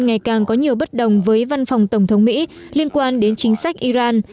ngày càng có nhiều bất đồng với văn phòng tổng thống mỹ liên quan đến chính sách iran